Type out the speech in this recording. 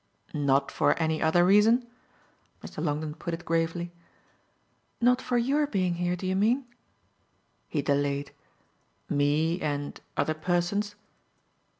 "Not for any other reason?" Mr. Longdon put it gravely. "Not for YOUR being here, do you mean?" He delayed. "Me and other persons."